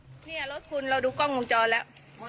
สบายคนนี้รถคุณเราดูกล้องมุมจอดแล้ว